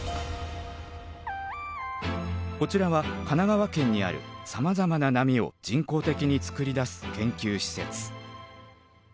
こちらは神奈川県にあるさまざまな波を人工的に作り出す研究施設。